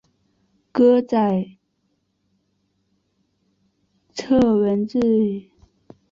歌仔册文字为用于记述歌仔册的汉字。